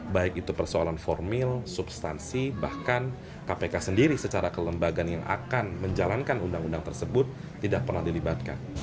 baik itu persoalan formil substansi bahkan kpk sendiri secara kelembagaan yang akan menjalankan undang undang tersebut tidak pernah dilibatkan